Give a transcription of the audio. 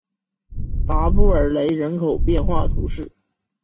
达尔布雷人口变化图示